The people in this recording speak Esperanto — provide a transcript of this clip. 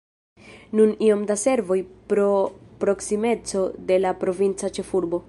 Nun iom da servoj pro proksimeco de la provinca ĉefurbo.